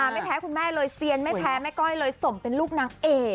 ไม่แพ้คุณแม่เลยเซียนไม่แพ้แม่ก้อยเลยสมเป็นลูกนางเอก